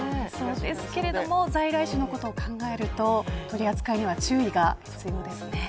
ですけれども在来種のことを考えると取り扱いには注意が必要ですね。